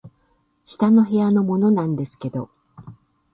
「下の部屋のものなんですけど」